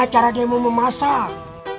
ini acara dia mau memasak